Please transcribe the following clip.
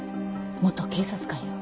元警察官よ。